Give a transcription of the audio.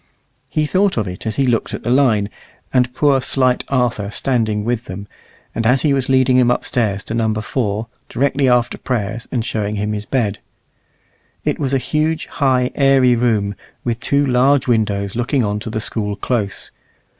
He thought of it as he looked at the line, and poor little slight Arthur standing with them, and as he was leading him upstairs to Number 4, directly after prayers, and showing him his bed. It was a huge, high, airy room, with two large windows looking on to the School close.